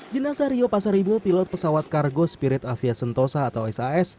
jenasa rio pasaribo pilot pesawat kargo spirit avia sentosa atau sas